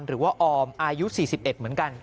หรือว่าออมอายุ๔๑เหมือนกัน